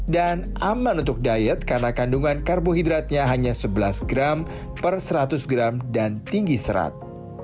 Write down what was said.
dan aman untuk diet karena kandungan karbohidratnya hanya sebelas gram per seratus gram dan tinggi serat